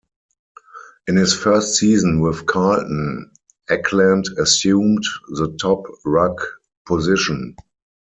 In his first season with Carlton, Ackland assumed the top ruck position.